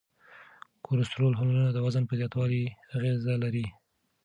کورتسول هورمون د وزن په زیاتوالي اغیز لري.